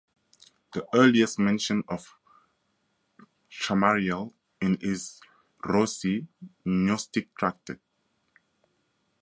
The earliest mention of Chamariel is in Rossi's "Gnostic tractate".